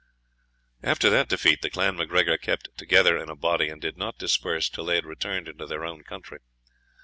After that defeat, the clan MacGregor kept together in a body, and did not disperse till they had returned into their own country.